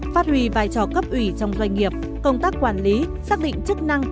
phát huy vai trò cấp ủy trong doanh nghiệp công tác quản lý xác định chức năng